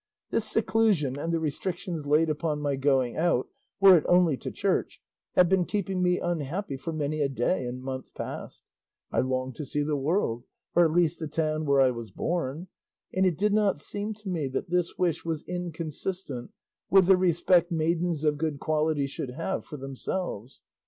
This seclusion and the restrictions laid upon my going out, were it only to church, have been keeping me unhappy for many a day and month past; I longed to see the world, or at least the town where I was born, and it did not seem to me that this wish was inconsistent with the respect maidens of good quality should have for themselves.